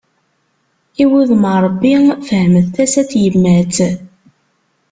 I wudem n Rebbi, fehmet tasa n tyemmat.